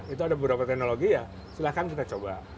itu ada beberapa teknologi ya silahkan kita coba